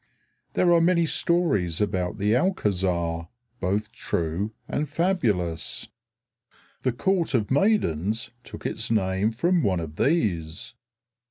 There are many stories about the Alcázar, both true and fabulous. The Court of Maidens took its name from one of these.